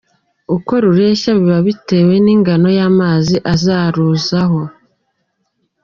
Uko rureshya biba bitewe n’ingano y’amazi azaruzaho.